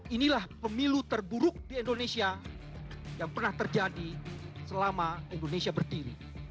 inilah pemilu terburuk di indonesia yang pernah terjadi selama indonesia berdiri